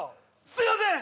すみません！